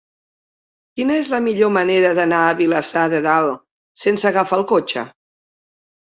Quina és la millor manera d'anar a Vilassar de Dalt sense agafar el cotxe?